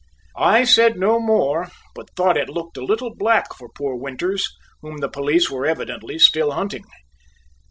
I said no more, but thought it looked a little black for poor Winters, whom the police were evidently still hunting.